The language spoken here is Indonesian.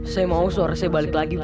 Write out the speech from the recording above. saya mau suara saya balik lagi